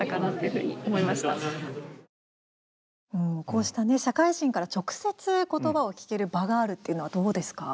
こうした社会人から直接ことばを聞ける場があるというのはどうですか。